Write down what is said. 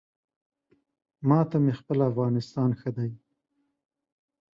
ما ته مې خپل افغانستان ښه دی